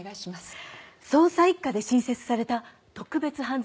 捜査一課で新設された特別犯罪対策